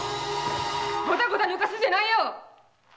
ゴタゴタぬかすんじゃないよ！